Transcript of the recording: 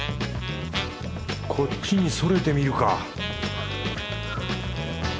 こっちにそれてみるか？